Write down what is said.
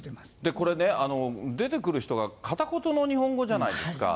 これね、出てくる人が片言の日本語じゃないですか。